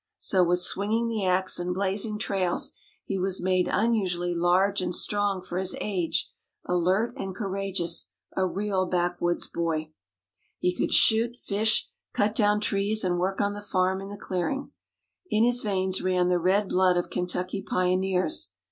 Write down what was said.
So with swinging the axe and blazing trails, he was made unusually large and strong for his age, alert and courageous a real backwoods boy. He could shoot, fish, cut down trees, and work on the farm in the clearing. In his veins ran the red blood of Kentucky pioneers.